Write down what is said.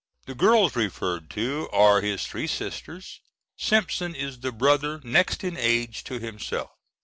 The girls referred to are his three sisters. Simpson is the brother next in age to himself.